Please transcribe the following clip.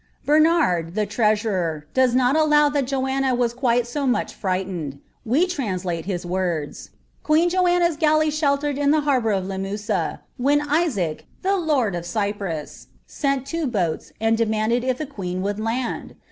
Bernard, the treasurer, does nm allow thai Joanna was qitile so modi rrighlenetl. We translate his words: "Queen Joanna's gallw shelund in the harbour of Limoussa, when Isaac, the lord of Cyprus, sml t«e boats, and demanded if ihu queen would land